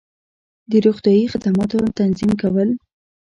د روغتیایی خدماتو تنظیم کول